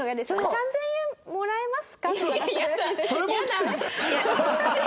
「３０００円もらえますか？」。